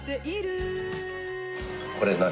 これ何？